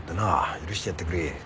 許してやってくれ。